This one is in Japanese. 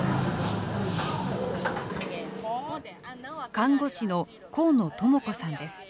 看護師の河野朋子さんです。